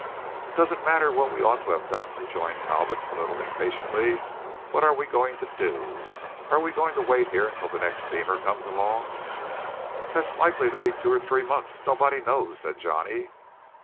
"Doesn't matter what we ought to have done," rejoined Talbot a little impatiently. "What are we going to do? Are we going to wait here until the next steamer comes along?" "That's likely to be two or three months nobody knows," said Johnny.